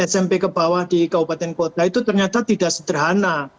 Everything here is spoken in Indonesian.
smp kebawah di kabupaten kota itu ternyata tidak sederhana